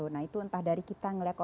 nah itu entah dari kita ngelihat